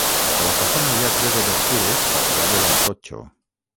A la façana hi ha tres obertures tapiades amb totxo.